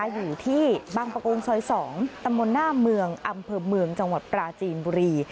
อยู่ที่บางประกงซอย๒ตำบลหน้าเมืองอำเภอเมืองจังหวัดปราจีนบุรี